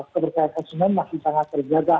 kepercayaan konsumen masih sangat terjaga